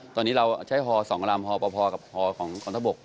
ตอนนี้เราใช้ฮอ๒ลำฮอปภกับฮอของกองทัพบก